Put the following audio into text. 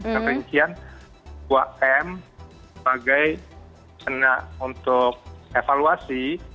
dan kemudian dua m sebagai sena untuk evaluasi